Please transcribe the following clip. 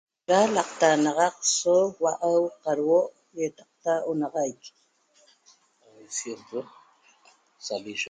Da l'aqtaxanaxac so hua'au qadhuo' ýataqta onaxaic